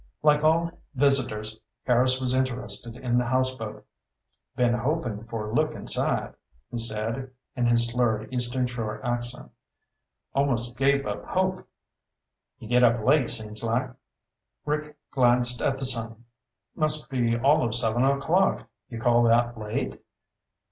Like all visitors, Harris was interested in the houseboat. "Been hopin' for a look inside," he said in his slurred Eastern Shore accent. "Almost gave up hope. You get up late, seems like." Rick glanced at the sun. "Must be all of seven o'clock. You call that late?"